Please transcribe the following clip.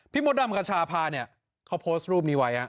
มดดำกระชาพาเนี่ยเขาโพสต์รูปนี้ไว้